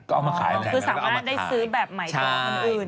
คือสามารถได้ซื้อแบบใหม่กว่าอื่น